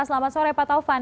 selamat sore pak taufan